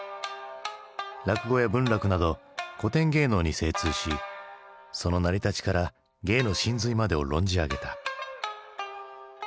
落語や文楽など古典芸能に精通しその成り立ちから芸の神髄までを論じ上げた。